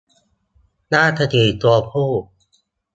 ราชสีห์ตัวผู้